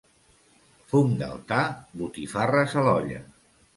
Fum d'altar, botifarres a l'olla.